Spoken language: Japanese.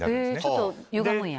ちょっとゆがむんや。